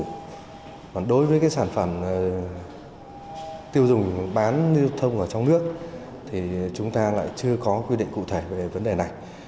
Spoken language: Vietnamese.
còn đối với cái sản phẩm tiêu dùng bán lưu thông ở trong nước thì chúng ta lại chưa có quy định cụ thể về vấn đề này